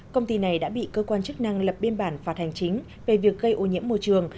công ty này đã bị cơ quan chức năng lập biên bản phạt hành chính về việc gây ô nhiễm môi trường